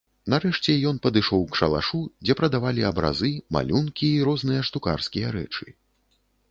Нарэшце, ён падышоў к шалашу, дзе прадавалі абразы, малюнкі і розныя штукарскія рэчы.